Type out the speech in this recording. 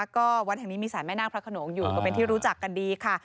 ก็วัดแห่งนี้มีสารแม่นาคพระขนงอยู่ก็เป็นที่รู้จักกันดีค่ะ